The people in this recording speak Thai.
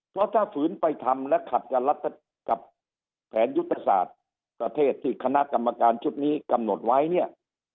เพราะถ้าฝืนไปทำและขัดกันรัฐกับแผนยุทธศาสตร์ประเทศที่คณะกรรมการชุดนี้กำหนดไว้เนี่ย